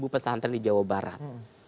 ibu pesantren di jawa barat